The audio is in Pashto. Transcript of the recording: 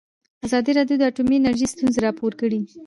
ازادي راډیو د اټومي انرژي ستونزې راپور کړي.